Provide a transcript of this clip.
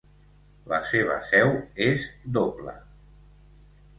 La seva seu és doble: